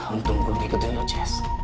untung gua ikutin lo jess